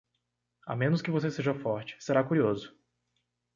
A menos que você seja forte, será curioso.